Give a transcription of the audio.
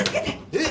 えっ？